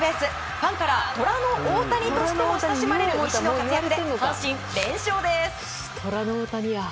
ファンからトラの大谷としても親しまれる西の活躍で阪神、連勝です。